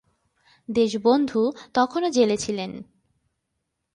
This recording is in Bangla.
দেশবন্ধু তখনও জেলে ছিলেন।